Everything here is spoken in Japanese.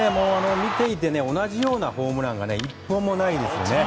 見ていて、同じようなホームランが１本もないですね。